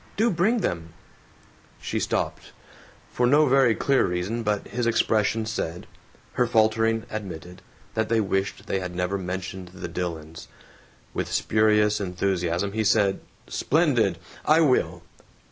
Do bring them " She stopped, for no very clear reason, but his expression said, her faltering admitted, that they wished they had never mentioned the Dillons. With spurious enthusiasm he said, "Splendid! I will."